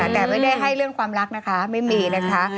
แต่ไม่ได้ให้เรื่องความรักนะคะไม่มีนะคะ